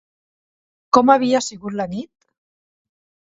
Com havia sigut la nit?